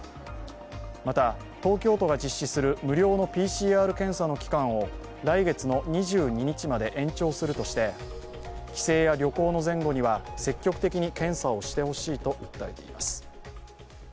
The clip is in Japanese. また、東京都が実施する無料のＰＣＲ検査の期間を来月の２２日まで延長するとして帰省や旅行の前後には積極的に検査をしてほしいと訴えています。